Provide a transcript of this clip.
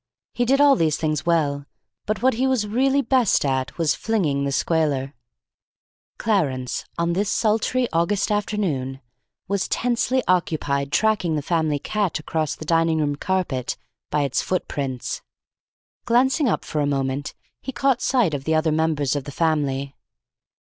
He did all these things well, but what he was really best at was flinging the squaler. Clarence, on this sultry August afternoon, was tensely occupied tracking the family cat across the dining room carpet by its foot prints. Glancing up for a moment, he caught sight of the other members of the family.